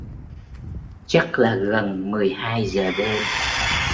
chắc là gần mười hai giờ đêm